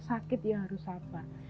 sakit ya harus sabar